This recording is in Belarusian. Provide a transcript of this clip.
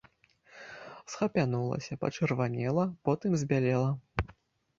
Схапянулася, пачырванела, потым збялела.